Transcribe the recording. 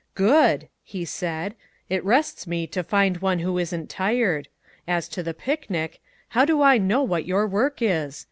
"Good!" he said. "It rests me to find one who isn't tired. As to the picnic ; how do I know what your work is?